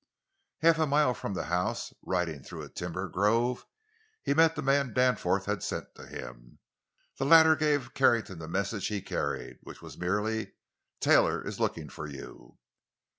Half a mile from the house, riding through a timber grove, he met the man Danforth had sent to him. The latter gave Carrington the message he carried, which was merely: "Taylor is looking for you."